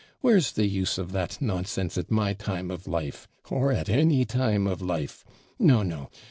where's the use of that nonsense at my time of life, or at any time of life? No, no!